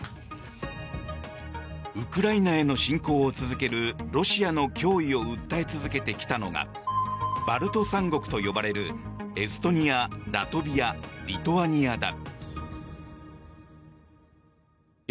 ウクライナへの侵攻を続けるロシアの脅威を訴え続けてきたのがバルト三国と呼ばれるエストニア、ラトビアリトアニアだ。